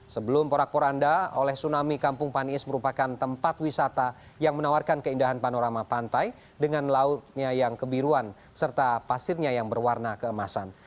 sebelum porak poranda oleh tsunami kampung paniis merupakan tempat wisata yang menawarkan keindahan panorama pantai dengan lautnya yang kebiruan serta pasirnya yang berwarna keemasan